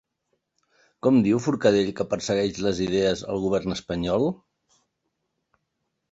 Com diu Forcadell que persegueix les idees el govern espanyol?